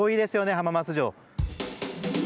浜松城。